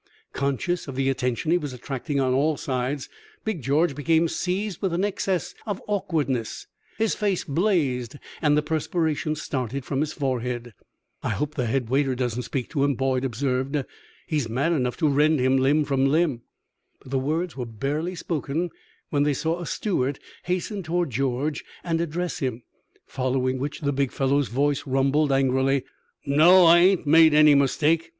Conscious of the attention he was attracting on all sides, Big George became seized with an excess of awkwardness; his face blazed, and the perspiration started from his forehead. "I hope the head waiter doesn't speak to him," Boyd observed. "He is mad enough to rend him limb from limb." But the words were barely spoken when they saw a steward hasten toward George and address him, following which the big fellow's voice rumbled angrily: "No, I ain't made any mistake!